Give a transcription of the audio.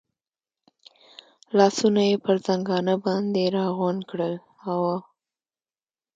لاسونه یې پر زنګانه باندې را غونډ کړل، اوه.